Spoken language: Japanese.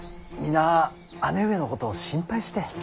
皆姉上のことを心配して。